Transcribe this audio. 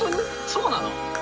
そうなの？